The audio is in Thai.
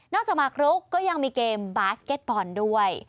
จากมาครุกก็ยังมีเกมบาสเก็ตบอลด้วย